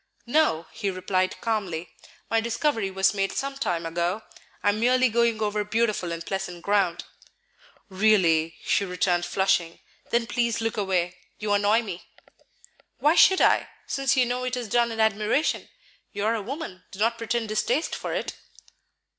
"No," he replied calmly. "My discovery was made some time ago; I am merely going over beautiful and pleasant ground." "Really?" she returned, flushing, "then please look away; you annoy me." "Why should I, since you know it is done in admiration? You are a woman; do not pretend distaste for it."